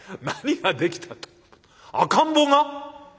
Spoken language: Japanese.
何ができたって赤ん坊が？